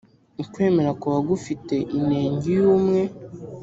ukwemera kuba gufite inenge iyo umwe